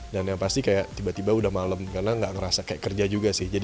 dan yang pasti kayak tiba tiba udah malem karena nggak ngerasa kayak kerja juga sih